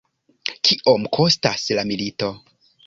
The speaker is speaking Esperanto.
Kiom kostas la milito?